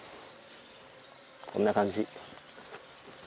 こんな感じ。